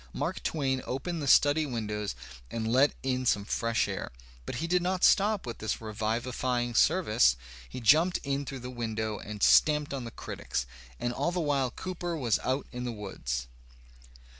Mark Twain opened the study windows and let in some fresh air. But he did not stop with this revivifying service; he jumped in through the window and stamped on the critics. And all the while Cooper was out in the woods.